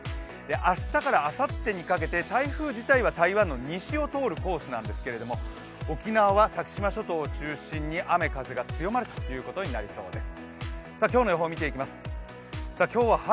明日からあさってにかけて台風自体は台湾の西を通るコースなんですけど沖縄は先島諸島を中心に雨風が強まることになりそうです。